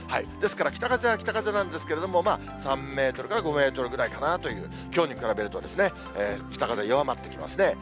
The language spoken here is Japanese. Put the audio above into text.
ですから北風は北風なんですけれども、３メートルから５メートルぐらいかなという、きょうに比べるとですね、北風、弱まってきますね。